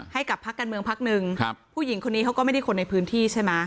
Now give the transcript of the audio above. ให้กับพักการเมืองพักหนึ่งครับผู้หญิงคนนี้เขาก็ไม่ได้คนในพื้นที่ใช่ไหม